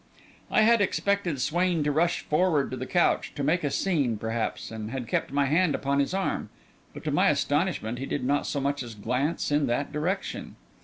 I had expected Swain to rush forward to the couch, to make a scene, perhaps, and had kept my hand upon his arm; but to my astonishment he did not so much as glance in that direction.